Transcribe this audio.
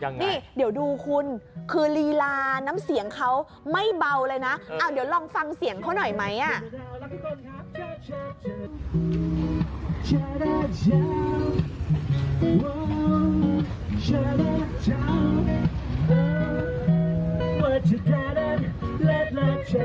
นี่เดี๋ยวดูคุณคือลีลาน้ำเสียงเขาไม่เบาเลยนะเดี๋ยวลองฟังเสียงเขาหน่อยไหม